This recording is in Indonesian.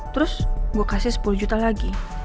terus gue kasih sepuluh juta lagi